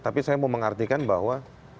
tapi saya mau mengartikan bahwa